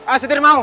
eh setir mau